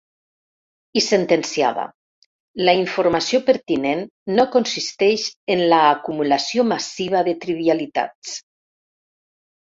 I sentenciava: «La informació pertinent no consisteix en l’acumulació massiva de trivialitats».